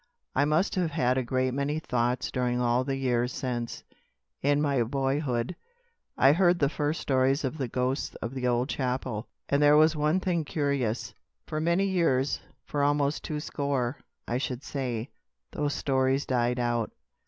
I must have had a great many thoughts during all the years since, in my boyhood, I heard the first stories of the ghosts of the old chapel. And there was one thing curious. For many years for almost two score, I should say, those stories died out.